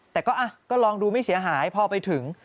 แต่ก็ลองดูไม่เสียหายพอไปถึง